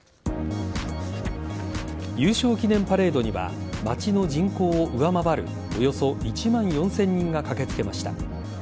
優勝記念パレードには町の人口を上回るおよそ１万４０００人が駆けつけました。